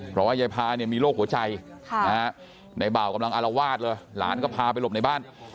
เพราะว่ายายพาเนี่ยมีโรคหัวใจในบ่าวกำลังอารวาสเลยหลานก็พาไปหลบในบ้าน